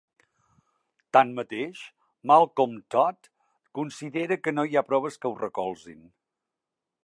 Tanmateix, Malcolm Todd considera que no hi ha proves que ho recolzin.